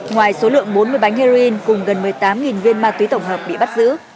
ngoài số lượng bốn mươi bánh heroin cùng gần một mươi tám viên ma túy tổng hợp bị bắt giữ